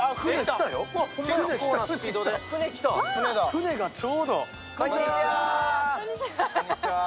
舟がちょうど。